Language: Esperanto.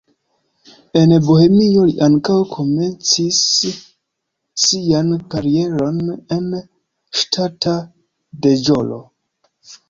En Bohemio li ankaŭ komencis sian karieron en ŝtata deĵoro.